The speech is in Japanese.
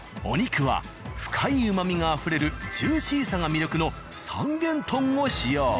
お肉は深いうまみがあふれるジューシーさが魅力の三元豚を使用。